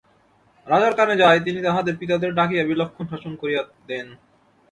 রাজার কানে যায়, তিনি তাহাদের পিতাদের ডাকিয়া বিলক্ষণ শাসন করিয়া দেন।